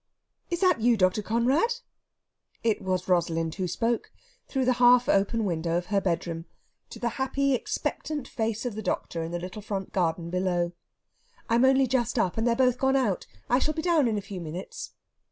"Is that you, Dr. Conrad?" It was Rosalind who spoke, through the half open window of her bedroom, to the happy, expectant face of the doctor in the little front garden below. "I'm only just up, and they're both gone out. I shall be down in a few minutes."